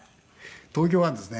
東京湾ですね。